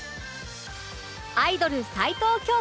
アイドル齊藤京子